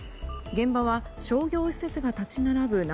現場は商業施設が立ち並ぶ